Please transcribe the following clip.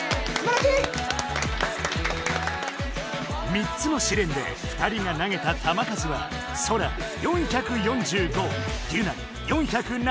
３つの試練で２人が投げた球数はソラ４４５ギュナイ４７７。